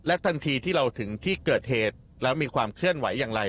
ทันทีที่เราถึงที่เกิดเหตุแล้วมีความเคลื่อนไหวอย่างไร